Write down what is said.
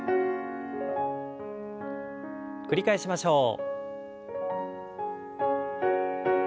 繰り返しましょう。